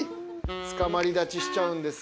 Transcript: つかまり立ちしちゃうんですが。